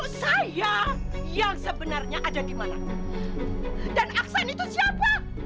kaca yang sebenarnya ada di mana dan aksan itu siap